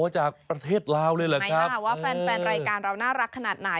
จากประเทศลาวเลยแหละครับว่าแฟนแฟนรายการเราน่ารักขนาดไหน